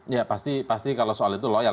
ya pasti kalau soal itu loyal